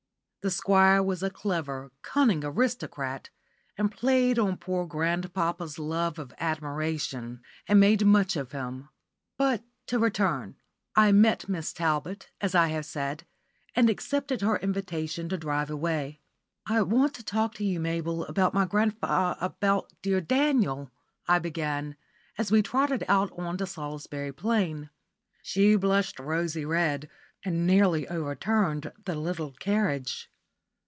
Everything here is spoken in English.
The Squire was a clever, cunning aristocrat, and played on poor grandpapa's love of admiration, and made much of him. But to return; I met Miss Talbot, as I have said, and accepted her invitation to drive awhile. "I want to talk to you, Mabel, about my grand about dear Daniel," I began, as we trotted out on to Salisbury Plain. She blushed rosy red, and nearly overturned the little carriage.